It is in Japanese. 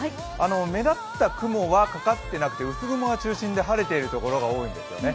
目立った雲はかかってなくて、薄雲が中心で晴れているところが多いんですよね。